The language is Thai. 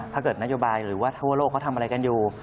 ถ้าเกิดนโยบายหรือว่าทั่วโลกเขาทำอะไรกันอยู่